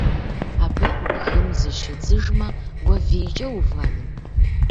Абы бгым зыщидзыжмэ, уэ вийкӀэ увэну?